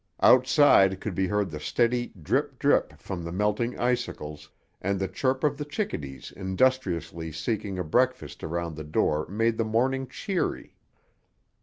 Outside could be heard the steady drip drip from the melting icicles, and the chirp of the chickadees industriously seeking a breakfast around the door made the morning cheery.